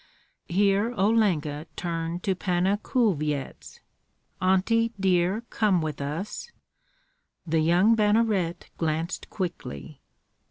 Here Olenka turned to Panna Kulvyets. "Auntie, dear, come with us." The young banneret glanced quickly.